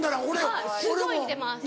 はいすごい似てます。